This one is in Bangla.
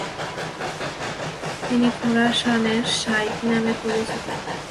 তিনি “খোরাসানের শাইখ” নামে পরিচিত।